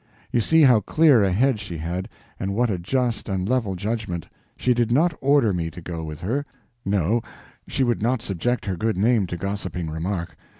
You see how clear a head she had, and what a just and level judgment. She did not order me to go with her; no, she would not subject her good name to gossiping remark.